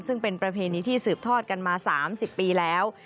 ซึ่งเป็นประเพณีที่สืบทอดกันมา๓๐ปีแล้ว